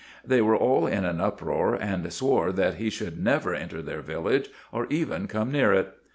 They were all in an uproar, and swore that he should never enter their village, or even come near it.